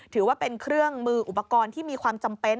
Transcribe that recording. ถือว่าเป็นเครื่องมืออุปกรณ์ที่มีความจำเป็น